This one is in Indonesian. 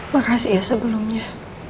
makasih ya sebelumnya